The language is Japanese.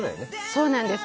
そうなんです。